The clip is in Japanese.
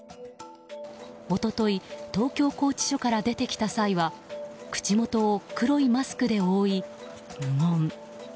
一昨日東京拘置所から出てきた際は口元を黒いマスクで覆い、無言。